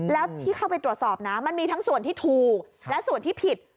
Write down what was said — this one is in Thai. แล้วที่เข้าไปตรวจสอบนะมันมีทั้งส่วนที่ถูกและส่วนที่ผิด